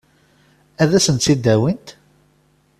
Ad sent-tt-id-awint?